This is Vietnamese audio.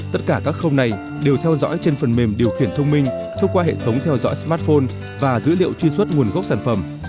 tất cả các khâu này đều theo dõi trên phần mềm điều khiển thông minh thông qua hệ thống theo dõi smartphone và dữ liệu truy xuất nguồn gốc sản phẩm